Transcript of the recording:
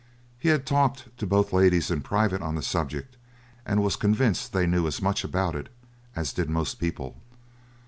He had talked to both ladies in private on the subject and was convinced they knew as much about it as did most people.